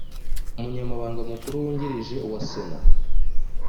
umunyamabanga mukuru wungirije wa sena